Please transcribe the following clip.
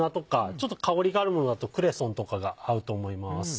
ちょっと香りがあるものだとクレソンとかが合うと思います。